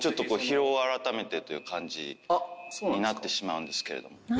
という感じになってしまうんですけれども。